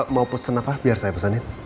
mau pesen apa biar saya pesanin